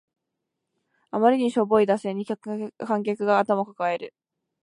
あまりにしょぼい打線に観客が頭を抱える